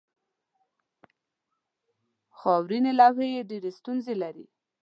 خاورینې لوحې ډېرې ستونزې لري.